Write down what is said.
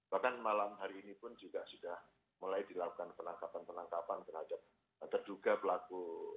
bahkan malam hari ini pun juga sudah mulai dilakukan penangkapan penangkapan terhadap terduga pelaku